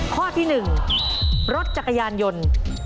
ข้อที่๑รถจักรยานยนต์